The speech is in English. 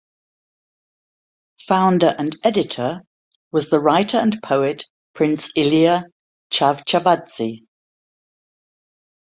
Founder and editor was the writer and poet Prince Ilia Chavchavadze.